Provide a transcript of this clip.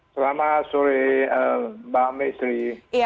selamat sore mbak mek sri